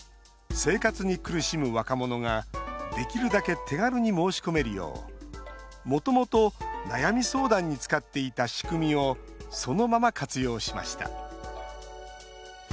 生活に苦しむ若者ができるだけ手軽に申し込めるようもともと悩み相談に使っていた仕組みをそのまま活用しました。